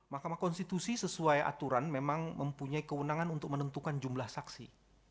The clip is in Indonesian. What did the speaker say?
mahkamah konstitusi sesuai aturan memang mempunyai kewenangan untuk menentukan jumlah saksi